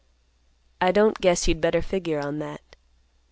"I don't guess you'd better figure on that.